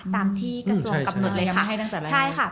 ตามที่กระทรวงกำหนดเลยค่ะ